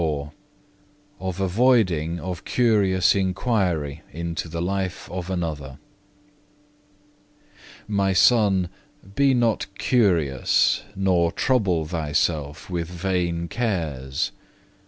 3. CHAPTER XXIV Of avoiding of curious inquiry into the life of another "My Son, be not curious, nor trouble thyself with vain cares.